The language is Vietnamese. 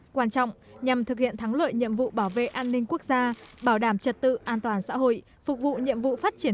quan trọng nhằm thực hiện thắng lợi nhiệm vụ bảo vệ an ninh quốc gia bảo đảm trật tự an toàn xã hội